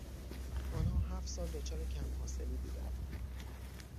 آنها هفت سال دچار کم حاصلی بودند.